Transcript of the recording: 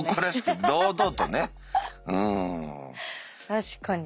確かに。